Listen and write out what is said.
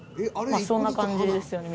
そんな感じですよね